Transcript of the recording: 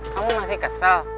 kamu masih kesel